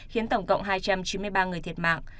khiến tổng cộng hai trăm chín mươi ba người thiệt mạng